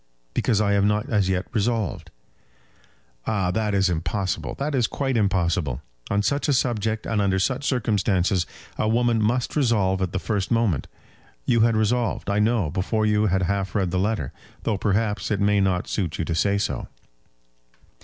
"Because I have not as yet resolved." "Ah, that is impossible. That is quite impossible. On such a subject and under such circumstances a woman must resolve at the first moment. You had resolved, I know, before you had half read the letter; though, perhaps, it may not suit you to say so."